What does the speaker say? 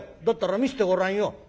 「だったら見せてごらんよ」。